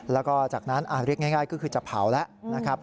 แล้วก็จากนั้นเรียกง่ายก็คือจะเผาแล้วนะครับ